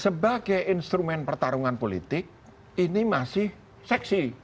sebagai instrumen pertarungan politik ini masih seksi